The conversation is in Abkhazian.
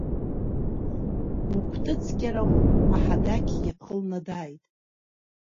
Укәтыц кьарахә аҳадақь иаԥхылнадааит.